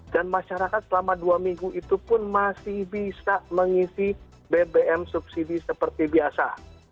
dan masyarakat selama dua minggu itu pun masih bisa mengisi bbm subsidi seperti biasa